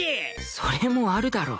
それもあるだろ